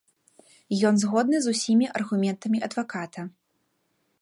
Ён згодны з усімі аргументамі адваката.